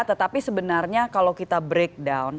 tetapi sebenarnya kalau kita breakdown